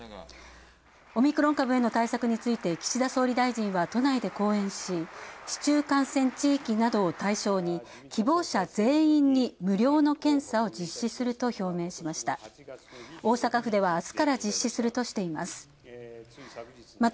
オミクロン株への対策について岸田総理大臣は都内で講演し、市中感染地域などを対象に希望者全員に無料の検査を実施すると表明しました。